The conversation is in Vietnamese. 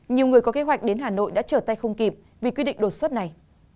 nhiều người có kế hoạch đến hà nội đã trở tay không kịp vì quy định đột xuất này